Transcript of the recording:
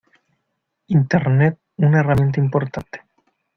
Internet una herramienta importante.